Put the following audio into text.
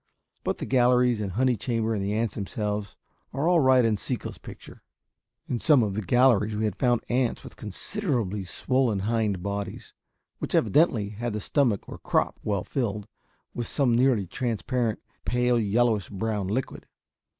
But the galleries and honey chamber and the ants themselves are all right in Sekko's picture. In some of the galleries we had found ants with considerably swollen hind bodies, which evidently had the stomach or crop well filled with some nearly transparent, pale yellowish brown liquid.